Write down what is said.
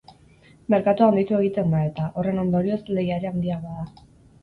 Merkatua handitu egiten da eta, horren ondorioz, lehia ere handiagoa da.